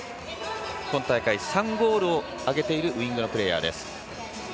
今大会、３ゴールを挙げているウイングのプレーヤーです。